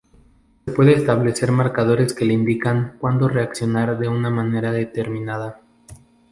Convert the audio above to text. Se puede establecer marcadores que le indican cuándo reaccionar de una manera determinada.